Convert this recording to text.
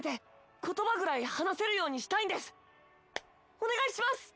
お願いします！